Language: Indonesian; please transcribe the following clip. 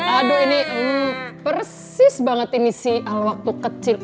aduh ini persis banget ini si alowaktu kecil